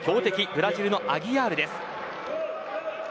ブラジルのアギアールです。